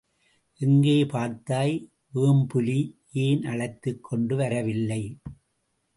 எங்கே பார்த்தாய் வேம்புலி? ஏன் அழைத்துக் கொண்டு வரவில்லை?